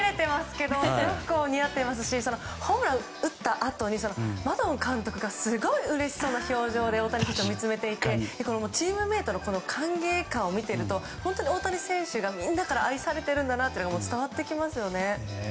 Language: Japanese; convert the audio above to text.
似合っていますしホームランを打ったあとにマドン監督がすごくうれしそうな表情で大谷選手を見つめていてチームメートの歓迎を見ていると大谷選手がみんなから愛されているのが伝わってきますよね。